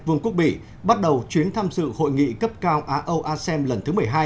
vương quốc bỉ bắt đầu chuyến thăm sự hội nghị cấp cao a âu a sem lần thứ một mươi hai